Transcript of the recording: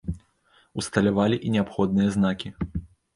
Усталявалі і неабходныя знакі.